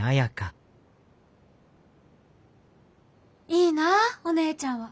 「いいなぁお姉ちゃんは。